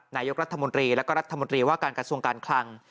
นายกรัฐมนตรีแล้วก็รัฐมนตรีว่าการกระทรวงการคลัง